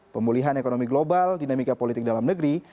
pemulihan ekonomi global dinamika politik dalam negeri